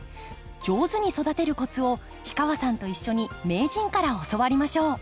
上手に育てるコツを氷川さんと一緒に名人から教わりましょう。